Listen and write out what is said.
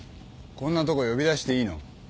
こんなとこ呼び出していいの？